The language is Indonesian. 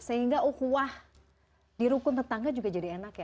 sehingga uhuah dirukun tetangga juga jadi enak ya